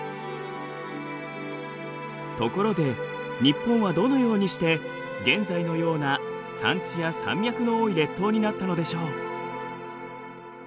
ところで日本はどのようにして現在のような山地や山脈の多い列島になったのでしょう？